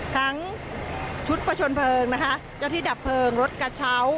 ทั้งชุดประชนเพลิงนะคะเจ้าที่ดับเพลิงรถกระเช้า